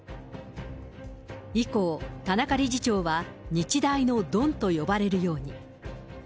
以降、田中理事長は日大のドンと呼ばれるように。